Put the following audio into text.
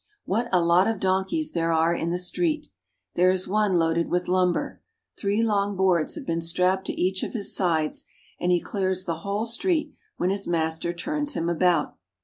What a lot of donkeys there are in the street ! There is one loaded with lumber. Three long boards have been strapped to each of his sides, and he clears the whole street when his master turns him about.